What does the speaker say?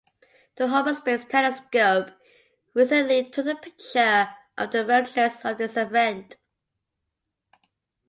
The Hubble Space Telescope recently took a picture of the remnants of this event.